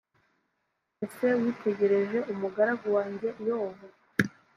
ese witegereje umugaragu wanjye yobu